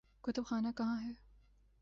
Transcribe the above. کتب خانہ کہاں ہے؟